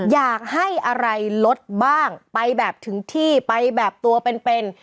อยากให้อะไรลดบ้างไปแบบถึงที่ไปแบบตัวเป็น